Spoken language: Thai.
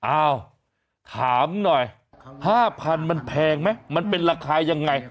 อ้าวถามหน่อย๕๐๐มันแพงไหมมันเป็นราคายังไง